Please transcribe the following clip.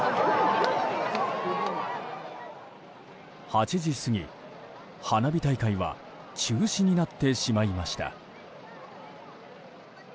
８時過ぎ、花火大会は中止になってしまいました。